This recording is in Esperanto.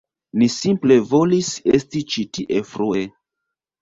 Ni simple volis esti ĉi tie frue